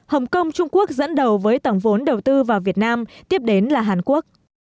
hồng kông trung quốc dẫn đầu với tổng vốn đầu tư vào việt nam tiếp đến là hàn quốc